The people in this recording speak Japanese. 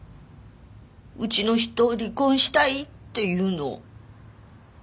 うちの人離婚したいって言うの。